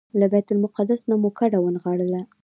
له بیت المقدس نه مو کډه ونغاړله.